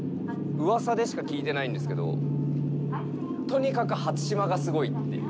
うわさでしか聞いてないんですけど、とにかく初島がすごいっていう。